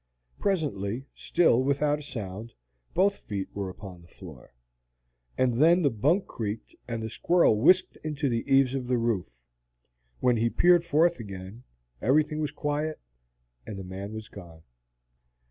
Presently, still without a sound, both feet were upon the floor. And then the bunk creaked, and the squirrel whisked into the eaves of the roof. When he peered forth again, everything was quiet, and the man was gone.